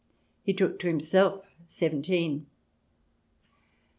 He took to himself seventeen.